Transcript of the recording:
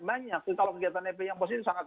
banyak kalau kegiatan fpi yang positif sangat